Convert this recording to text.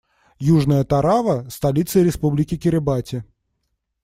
Южная Тарава - столица Республики Кирибати.